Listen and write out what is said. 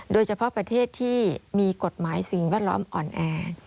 โดยเฉพาะประเทศที่มีกฎหมายสิ่งแวดล้อมอ่อนแอ